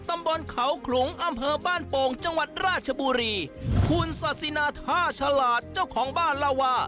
ตำบลเขาขลุงอำเภอบ้านโป่งจังหวัดราชบุรีคุณศาสินาท่าฉลาดเจ้าของบ้านเล่าว่า